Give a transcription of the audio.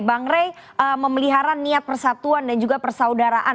bang rey memelihara niat persatuan dan juga persaudaraan